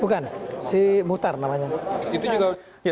bukan si muhtar namanya